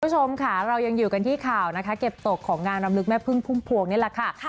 คุณผู้ชมค่ะเรายังอยู่กันที่ข่าวนะคะเก็บตกของงานรำลึกแม่พึ่งพุ่มพวงนี่แหละค่ะ